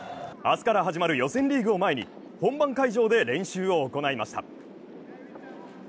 明日から始まる予選リーグを前に本番会場で練習を行いました。